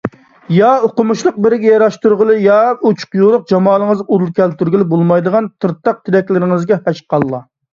يا ئوقۇمۇشلۇق بىرىگە ياراشتۇرغىلى ياكى ئوچۇق - يورۇق جامالىڭىزغا ئۇدۇل كەلتۈرگىلى بولمايدىغان قىرتاق تىلەكلىرىڭىزگە ھەشقاللا!